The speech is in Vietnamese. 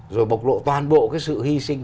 rồi bộc lộ toàn bộ cái sự hy sinh